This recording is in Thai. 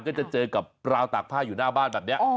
ก็จะเจอกับราวตากผ้าอยู่หน้าบ้านแบบนี้